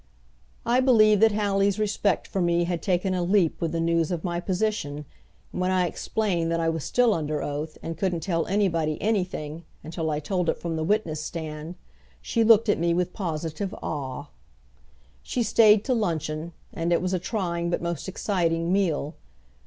I believe that Hallie's respect for me had taken a leap with the news of my position, and when I explained that I was still under oath, and couldn't tell anybody anything until I told it from the witness stand, she looked at me with positive awe. She stayed to luncheon, and it was a trying but most exciting meal.